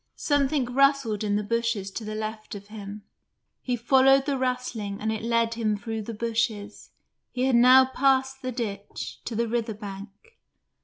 Something rustled in the bushes to the left of him; he followed the rustling and it led him through the bushes he had now passed the ditch to the river bank.